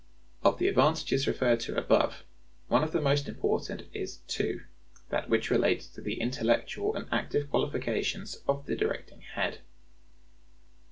Of [the advantages referred to above] one of the most important is (2) that which relates to the intellectual and active qualifications of the directing head.